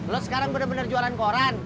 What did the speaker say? lo sekarang benar benar jualan koran